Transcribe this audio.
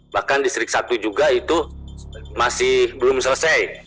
bahkan distrik satu juga itu masih belum selesai